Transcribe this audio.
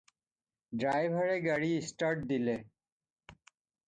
ড্ৰাইভাৰে গাড়ী ষ্টাৰ্ট দিলে।